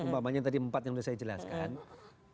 umpamanya tadi empat yang sudah saya jelaskan